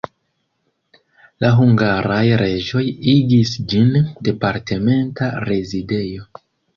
La hungaraj reĝoj igis ĝin departementa rezidejo.